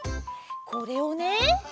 これをね